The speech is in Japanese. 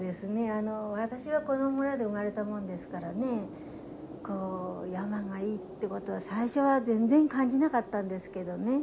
あの私はこの村で生まれたもんですからねこう山がいいってことは最初は全然感じなかったんですけどね。